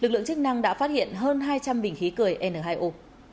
lực lượng chức năng đã phát hiện hơn hai trăm linh bình khí cười n hai o